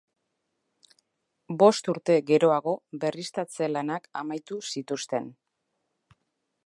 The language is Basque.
Bost urte geroago berriztatze lanak amaitu zituzten.